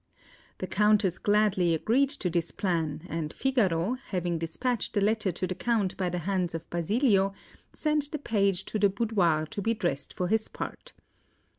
The Countess gladly agreed to this plan, and Figaro, having despatched the letter to the Count by the hands of Basilio, sent the page to the boudoir to be dressed for his part.